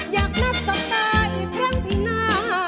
อยากนัดต่อตาอีกครั้งที่หน้าอำเภอ